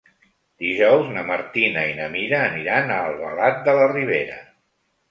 Dijous na Martina i na Mira aniran a Albalat de la Ribera.